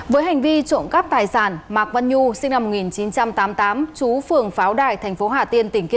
với hành vi trộm cắp tài sản mạc văn nhu sinh năm một nghìn chín trăm tám mươi tám chú phường pháo đài tp ht